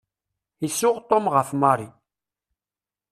Isuɣ Tom ɣef Mary.